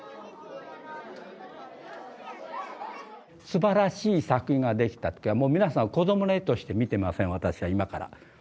すばらしい作品ができた時は皆さん子供の絵として見てません私は今から。